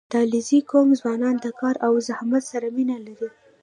• د علیزي قوم ځوانان د کار او زحمت سره مینه لري.